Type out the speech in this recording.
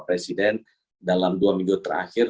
presiden dalam dua minggu terakhir